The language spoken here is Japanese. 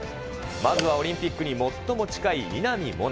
まずはオリンピックに最も近い稲見萌寧。